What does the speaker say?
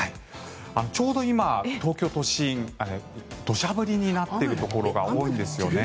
ちょうど今、東京都心土砂降りになっているところが多いんですよね。